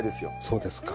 そうですか。